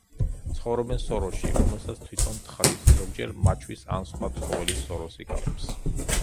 ცხოვრობენ სოროში, რომელსაც თვითონ თხრის, ზოგჯერ მაჩვის ან სხვა ცხოველის სოროს იკავებს.